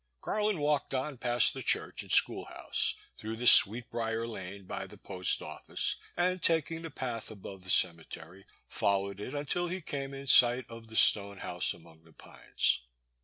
Garland walked on past the church and school house, through the sweet briar lane by the Post OflBce, and, taking the path above the cemetery, followed it until he came in sight of the stone house among the pines.